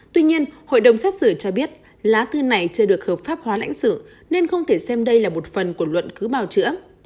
tuy nhiên hội đồng xét xử cho biết lá thư này chưa được hợp pháp hóa lãnh sự nên không thể xem đây là một phần của luận cứ bào chữa